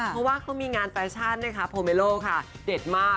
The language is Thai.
เพราะว่าเขามีงานแฟชั่นนะคะโพเมโลค่ะเด็ดมาก